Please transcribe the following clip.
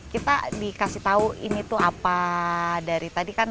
kita dikasih tahu ini apa sebenarnya